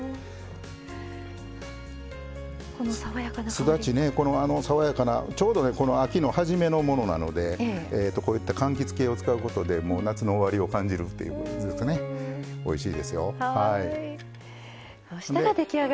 すだち、爽やかなちょうど秋の初めのものなのでこういったかんきつ系を使うことで夏の終わりを感じるというかねおいしいですよ。